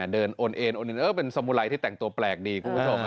เดินอ่อนเอนเป็นสามูไรที่แต่งตัวแปลกดี